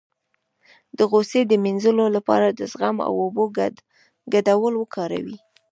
د غوسې د مینځلو لپاره د زغم او اوبو ګډول وکاروئ